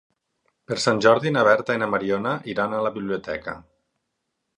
Per Sant Jordi na Berta i na Mariona iran a la biblioteca.